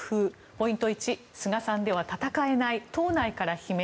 ポイント１、菅さんでは戦えない党内から悲鳴。